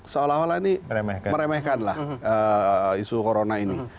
seolah olah ini meremehkan lah isu corona ini